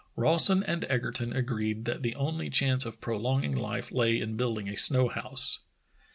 Rawson and Egerton agreed that the only chance of prolonging life lay in building a snow house.